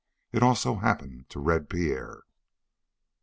It also happened to Red Pierre.